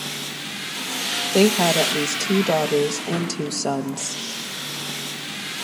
They had at least two daughters and two sons.